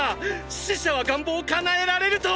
死者は願望を叶えられると！